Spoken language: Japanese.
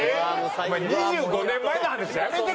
お前２５年前の話やめてくれや！